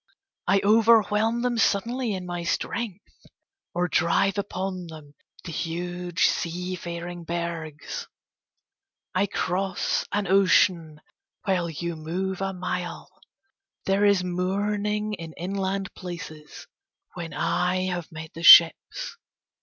I overwhelm them suddenly in my strength, or drive upon them the huge seafaring bergs. I cross an ocean while you move a mile. There is mourning in inland places when I have met the ships.